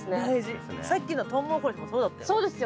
さっきのトウモロコシもそうだったよ。